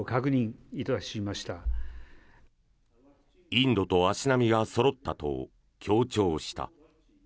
インドと足並みがそろったと強調した。